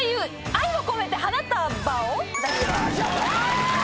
「愛をこめて花束を」